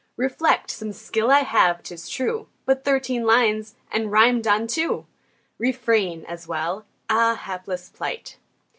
Reflect. Some skill I have, 'tis true; But thirteen lines! and rimed on two! "Refrain" as well. Ah, Hapless plight!